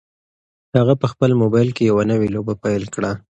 هغه په خپل موبایل کې یوه نوې لوبه پیل کړه.